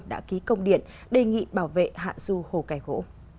đã ký công điện đề nghị bảo vệ hạ du hồ cải gỗ